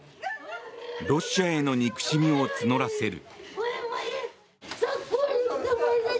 ロシアへの憎しみを募らせる。